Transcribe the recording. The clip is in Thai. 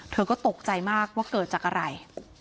เธอก็ตกใจมากว่าเกิดจากอะไร